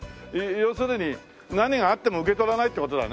要するに何があっても受け取らないって事だね。